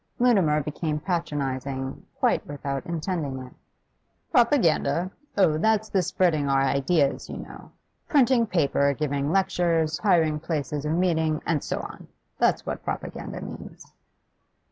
Mutimer became patronising, quite without intending it. 'Propaganda? Oh, that's the spreading our ideas, you know; printing paper, giving lectures, hiring places of meeting, and so on. That's what Propaganda means.